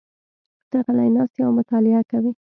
ته غلی ناست یې او مطالعه کوې.